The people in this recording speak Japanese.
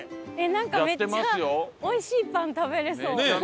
なんかめっちゃおいしいパン食べられそう。ねえ！